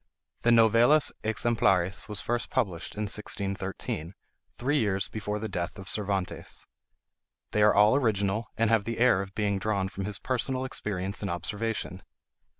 The "Novelas Exemplares" were first published in 1613, three years before the death of Cervantes. They are all original, and have the air of being drawn from his personal experience and observation.